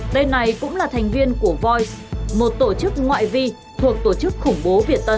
đây này cũng là thành viên của voi một tổ chức ngoại vi thuộc tổ chức khủng bố việt tân